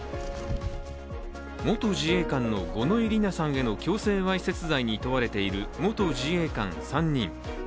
元自衛官の五ノ井里奈さんへの強制わいせつ罪に問われている元自衛官３人。